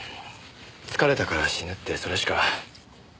「疲れたから死ぬ」ってそれしか。